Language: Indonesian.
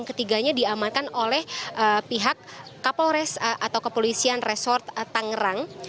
ketiganya diamankan oleh pihak kapolres atau kepolisian resort tangerang